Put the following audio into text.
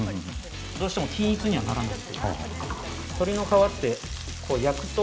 どうしても均一にはならない。